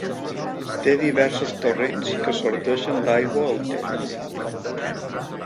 Té diversos torrents, que assorteixen d'aigua el terme.